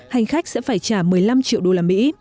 hành khách sẽ phải trả một mươi năm triệu đô la mỹ